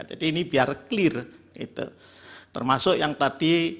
termasuk yang tadi disinggung oleh bu menteri kepala kepala kepala kepala kepala